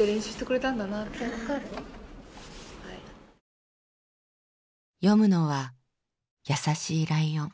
ああ読むのは「やさしいライオン」。